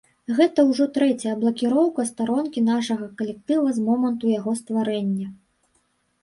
Гэта ўжо трэцяя блакіроўка старонкі нашага калектыва з моманту яго стварэння.